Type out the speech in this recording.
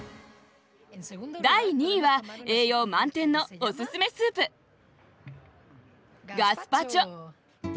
第２位は栄養満点のおすすめスープガスパチョ。